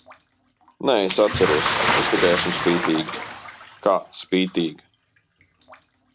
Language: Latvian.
Nē, es atceros, es tikai esmu spītīga! Kā spītīga?!?